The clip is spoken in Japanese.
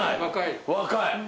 若い！